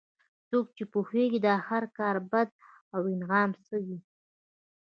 څوک پوهیږي چې د هر کار بدل او انعام څه وي